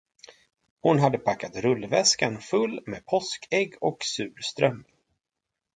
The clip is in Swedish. Hon hade packat rullväskan full med påskägg och surströmming.